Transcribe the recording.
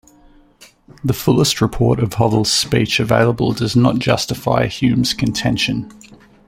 The fullest report of Hovell's speech available does not justify Hume's contention.